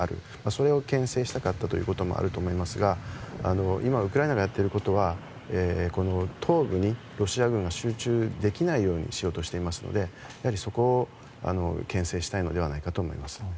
それを牽制したかったこともあると思いますが今、ウクライナがやっていることは東部にロシア軍が集中できないようにしようとしていますのでそこを牽制したいのではないかと思います。